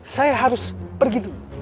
saya harus pergi dulu